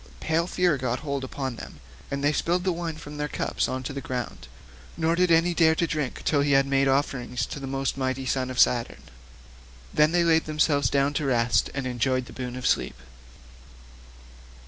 Pale fear got hold upon them, and they spilled the wine from their cups on to the ground, nor did any dare drink till he had made offerings to the most mighty son of Saturn. Then they laid themselves down to rest and enjoyed the boon of sleep.